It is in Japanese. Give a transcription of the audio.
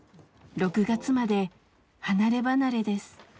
６月まで離れ離れです。